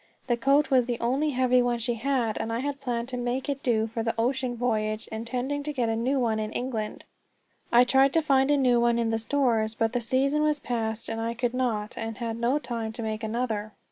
The coat was the only heavy one she had, and I had planned to make it do for the ocean voyage, intending to get a new one in England. I tried to find a new one in the stores, but the season was past and I could not; and I had no time to make another.